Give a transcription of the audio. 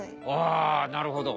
あなるほど。